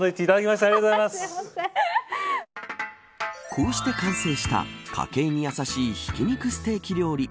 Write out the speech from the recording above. こうして完成した家計にやさしいひき肉ステーキ料理。